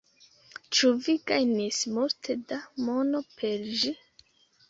Ĉu vi gajnis multe da mono per ĝi?